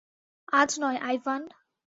আজ নয়, আইভান!